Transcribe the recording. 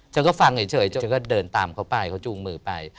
ฉันก็ฟังเฉยฉันก็เดินตามเขาไปเขาจูงมือไป